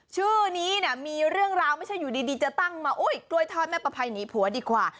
ชื่อนี้เนี่ยมีเรื่องราวไม่ใช่อยู่ดีจะตั้งมากล้วยทอดแม่ประภัยหนีผัวดีกว่า